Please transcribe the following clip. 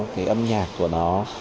cái âm nhạc của nó